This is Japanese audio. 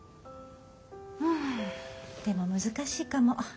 んでも難しいかも。